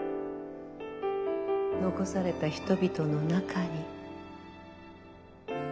残された人々の中に。